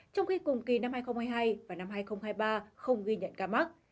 trong khi cùng kỳ năm hai nghìn hai mươi hai và năm hai nghìn hai mươi ba không ghi nhận ca mắc